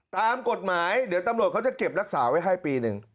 ตามกฎหมายเดี๋ยวตำรวจเขาจะเก็บรักษาไว้ให้ปีหนึ่ง